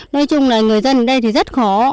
nói chung là người dân ở đây thì rất khó